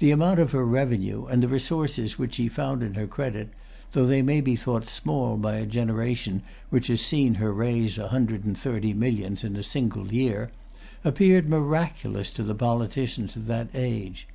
The amount of her revenue, and the resources which she found in her credit, though they may be thought small by a generation which has seen her raise a hundred and thirty millions in a single year, appeared miraculous to the politicians of that age.